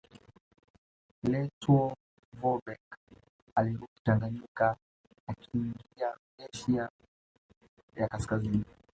Lettow Vorbeck alirudi Tanganyika akaingia Rhodesia ya Kaskazini